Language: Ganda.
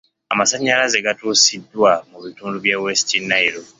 Amasannyalaze gatuusiddwa mu bitundu by'e West Nile.